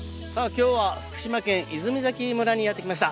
今日は福島県泉崎村にやってきました